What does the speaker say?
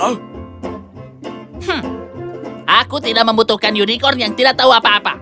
hmm aku tidak membutuhkan unicorn yang tidak tahu apa apa